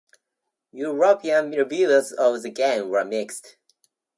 European reviewers of the game were mixed.